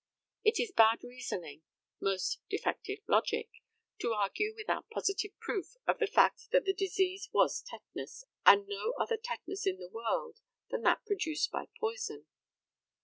It is bad reasoning most defective logic to argue without positive proof of the fact that the disease was tetanus, and no other tetanus in the world than that produced by poison.